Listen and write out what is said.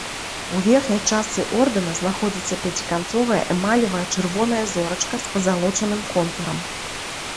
У верхняй частцы ордэна знаходзіцца пяціканцовая эмалевая чырвоная зорачка з пазалочаным контурам.